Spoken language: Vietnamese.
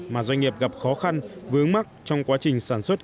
mà doanh nghiệp gặp khó khăn vướng mắc trong quá trình sản xuất